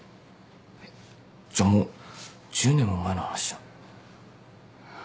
えっじゃもう１０年も前の話じゃん。